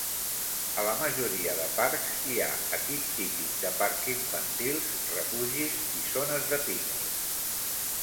A la majoria de parcs hi ha equip típic de parc infantils, refugis i zones de pícnic.